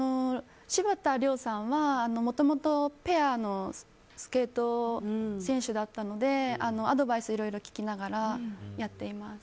柴田嶺さんはもともとペアのスケート選手だったのでアドバイスいろいろ聞きながらやっています。